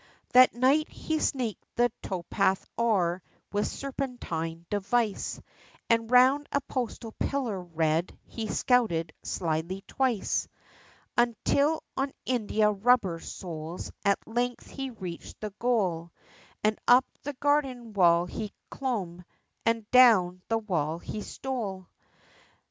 That night He sneaked the toepath o'er, With serpentine device, And round a postal pillar red, He scouted slyly twice, Until on india rubber soles, At length he reached the goal, And up the garden wall He clomb, And down the wall he stole!